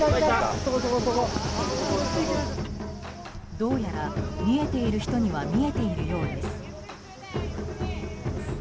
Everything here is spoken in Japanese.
どうやら見えている人には見えているようです。